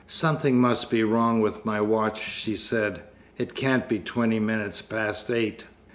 "Something must be wrong with my watch," she said. "It can't be twenty minutes past eight."